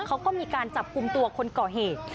เขาก็มีการจับกลุ่มตัวคนก่อเหตุ